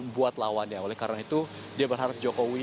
buat lawannya oleh karena itu dia berharap jokowi